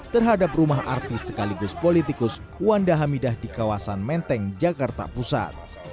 terhadap rumah artis sekaligus politikus wanda hamidah di kawasan menteng jakarta pusat